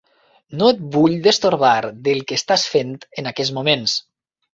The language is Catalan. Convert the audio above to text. No et vull destorbar del que estàs fent en aquests moments.